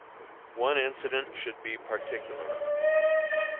One incident should be particularized.